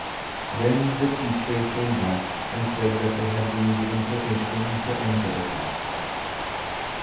Then the teacher came back, and said that they had been given permission to enter the castle.